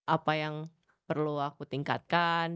apa yang perlu aku tingkatkan